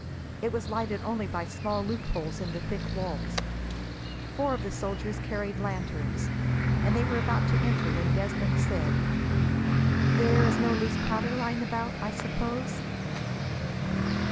It was lighted only by small loopholes in the thick walls. Four of the soldiers carried lanterns, and they were about to enter, when Desmond said: "There is no loose powder lying about, I suppose?"